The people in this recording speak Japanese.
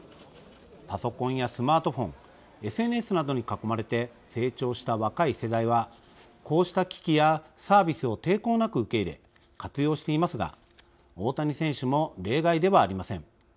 パソコンやスマートフォンＳＮＳなどに囲まれて成長した若い世代はこうした機器やサービスを抵抗なく受け入れ活用していますが大谷選手も例外ではありません。